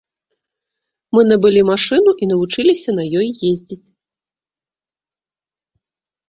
Мы набылі машыну і навучыліся на ёй ездзіць.